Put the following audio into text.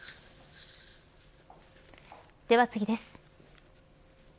では次です。